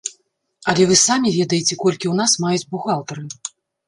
Але вы самі ведаеце, колькі ў нас маюць бухгалтары.